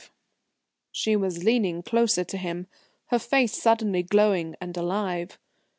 V She was leaning closer to him, her face suddenly glowing and alive.